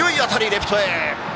レフトへ。